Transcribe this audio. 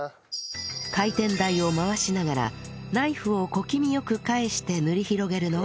回転台を回しながらナイフを小気味よく返して塗り広げるのがポイント